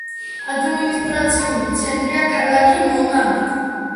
ადმინისტრაციული ცენტრია ქალაქი მონტანა.